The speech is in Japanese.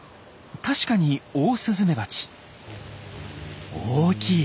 確かにオオスズメバチ。大きい！